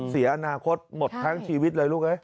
เสียอนาคตหมดทั้งชีวิตเลยลูกเอ้ย